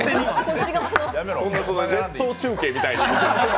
列島中継みたいに。